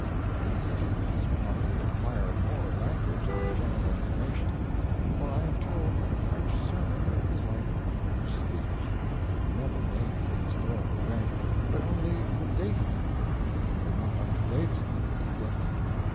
These students probably acquire more language than general information, for I am told that a French sermon is like a French speech it never names a historical event, but only the date of it; if you are not up in dates, you get left.